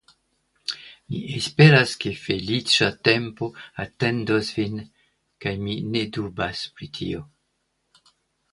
Ni esperas, ke feliĉa tempo atendos vin, kaj mi ne dubas pri tio.